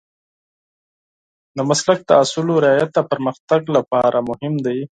د مسلک د اصولو رعایت د پرمختګ لپاره مهم دی.